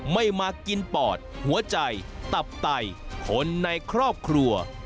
ไม่มากินปอดหัวใจตับไตคนในครอบครัว